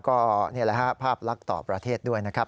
ก็นี่แหละฮะภาพลักษณ์ต่อประเทศด้วยนะครับ